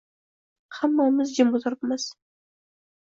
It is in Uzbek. Hammamiz jim o`tiribmiz